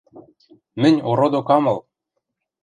— Мӹнь ородок ам ыл!